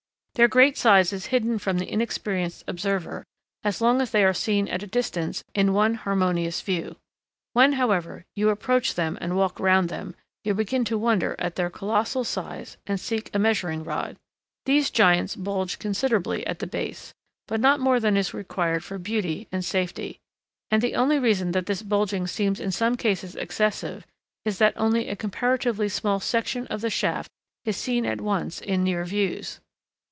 Their great size is hidden from the inexperienced observer as long as they are seen at a distance in one harmonious view. When, however, you approach them and walk round them, you begin to wonder at their colossal size and seek a measuring rod. These giants bulge considerably at the base, but not more than is required for beauty and safety; and the only reason that this bulging seems in some cases excessive is that only a comparatively small section of the shaft is seen at once in near views.